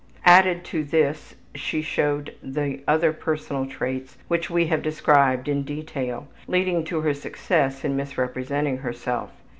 Added to this she showed the other personal traits which we have described in detail, leading to her success in misrepresenting herself.